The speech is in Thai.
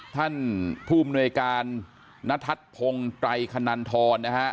ท่านผู้อำนวยการณทัศน์พงศ์ไตรคณันทรนะฮะ